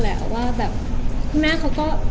แหละว่าแบบคุณแม่เขาก็